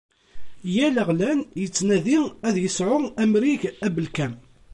Yal aɣlan yettnadi ad yesεu amrig abelkam.